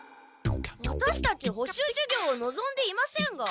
ワタシたち補習授業をのぞんでいませんが？